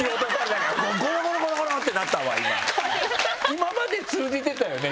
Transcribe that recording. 今まで通じてたよね？